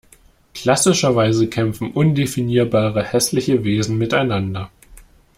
Klassischerweise kämpfen undefinierbare hässliche Wesen miteinander.